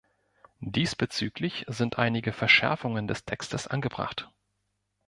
Diesbezüglich sind einige Verschärfungen des Textes angebracht.